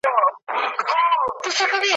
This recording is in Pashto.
په پردي کور کي ژوند په ضرور دی `